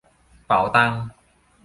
เป๋าตัง